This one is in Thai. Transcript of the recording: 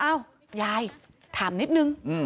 อ้าวยายถามนิดนึง